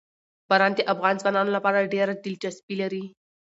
باران د افغان ځوانانو لپاره ډېره دلچسپي لري.